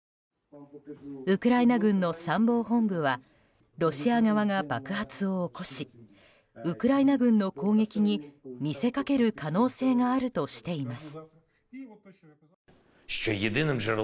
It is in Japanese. ウクライナ軍の参謀本部はロシア側が爆発を起こしウクライナ軍の攻撃に見せかける可能性があるとしています。